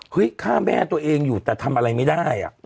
ฆ่าแม่ตัวเองอยู่แต่ทำอะไรไม่ได้